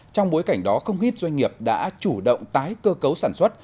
trong bối cảnh đó không ít doanh nghiệp đã chủ động tái cơ cấu sản xuất